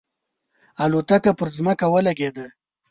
الوتکه پر ځمکه ولګېده.